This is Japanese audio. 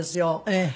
ええ。